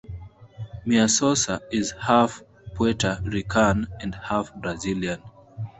Mia Sosa is half Puerta Rican and half Brazilian.